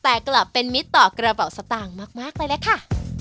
แต่กลับเป็นมิตรต่อกระเป๋าสตางค์มากเลยแหละค่ะ